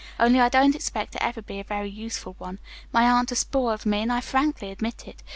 Only I don't expect to ever be a very useful one. My aunt has spoiled me, and I frankly admit it.